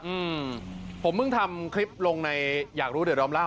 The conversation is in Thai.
อืมผมเพิ่งทำคลิปลงในอยากรู้เดี๋ยวดอมเล่า